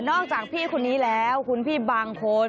จากพี่คนนี้แล้วคุณพี่บางคน